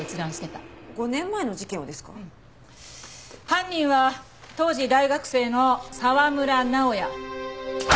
犯人は当時大学生の沢村直哉。